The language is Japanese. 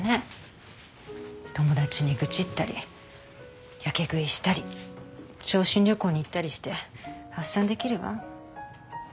友達に愚痴ったりやけ食いしたり傷心旅行に行ったりして発散できるわ。